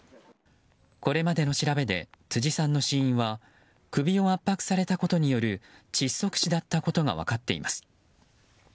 これまでの調べで辻さんの死因は首を圧迫されたことによる窒息死だったことが分かっています。